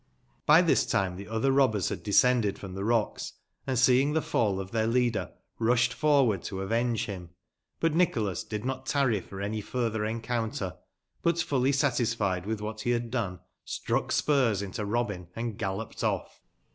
By tbis time tbe otber robbers bad descended from tbe rocks, and, seeing tbe fall of tbeir leader, rusbed forward to avenge bim, but Nicbolas did not tarry f or any furtber encounter ; but, fully satisfied witb wbat be bad done, Struck spurs into Eobin, and galloped off.